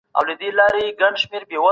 د تولید کچه باید په دوامداره توګه لوړه سي.